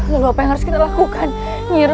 lalu apa yang harus kita lakukan